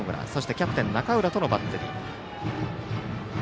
キャプテン、中浦とのバッテリー。